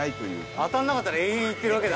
当たらなかったら永遠行ってるわけだ。